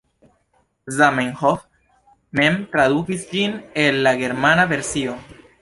Zamenhof mem tradukis ĝin el la germana versio.